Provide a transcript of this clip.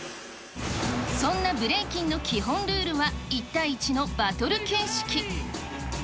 そんなブレイキンの基本ルールは１対１のバトル形式。